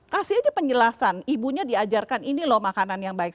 kasih aja penjelasan ibunya diajarkan ini loh makanan yang baik